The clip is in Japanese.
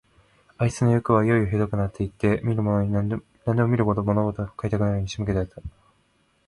あいつのよくはいよいよひどくなって行って、何でも見るものごとに買いたくなるように仕向けてやった。